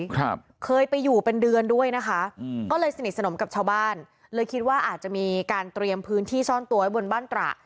ครับเคยไปอยู่เป็นเดือนด้วยนะคะอืมก็เลยสนิทสนมกับชาวบ้านเลยคิดว่าอาจจะมีการเตรียมพื้นที่ซ่อนตัวไว้บนบ้านตระ